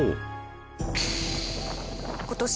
今年